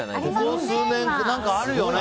ここ数年、あるよね。